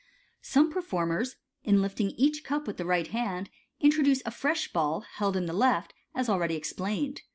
Some performers, in lifting each cup with the right hand, intro duce a fresh ball, held in the left hand, as already explained.